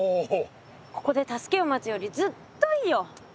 ここで助けを待つよりずっといいよ。